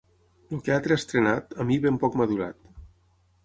El que altre ha estrenat, a mi, ben poc m'ha durat.